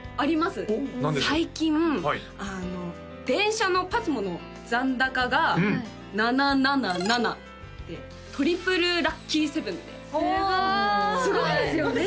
最近電車のＰＡＳＭＯの残高が７７７でトリプルラッキーセブンですごいすごいですよね？